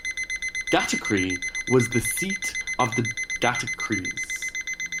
Gatacre was the seat of the Gatacres.